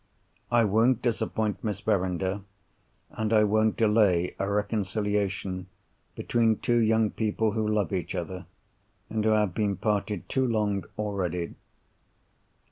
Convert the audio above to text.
I won't disappoint Miss Verinder; and I won't delay a reconciliation between two young people who love each other, and who have been parted too long already.